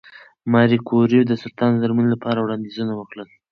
ماري کوري د سرطان د درملنې لپاره وړاندیزونه وکړل.